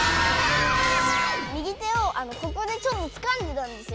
右手をここでちょっとつかんでたんですよ。